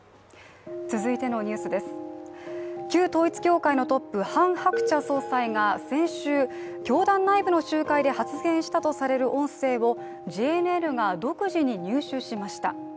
旧統一教会のトップ、ハン・ハクチャ総裁が先週、教団内部の集会で発言したとされる音声をＪＮＮが独自に入手しました。